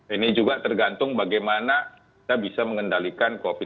ini juga tergantung bagaimana kita bisa mengendalikan covid sembilan belas